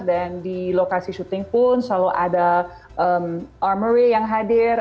di lokasi syuting pun selalu ada armary yang hadir